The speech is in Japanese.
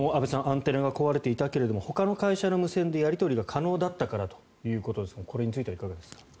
アンテナが壊れていたけれどほかの会社の無線でやり取りが可能だったからということですがこれについてはいかがですか。